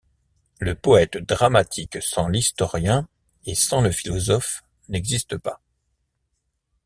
Le poëte dramatique sans l’historien et sans le philosophe n’existe pas.